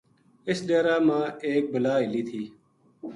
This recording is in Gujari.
اُس ڈیرا ما ایک بلا ہِلی تھی